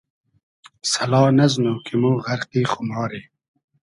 سئلا نئزنو کی مۉ غئرقی خوماری